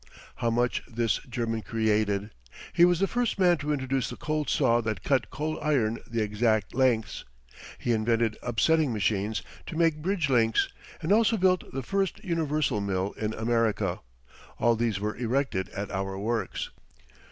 How much this German created! He was the first man to introduce the cold saw that cut cold iron the exact lengths. He invented upsetting machines to make bridge links, and also built the first "universal" mill in America. All these were erected at our works.